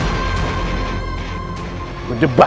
kau tidak bisa mencoba